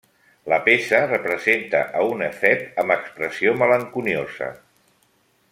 La peça representa a un efeb amb expressió malenconiosa.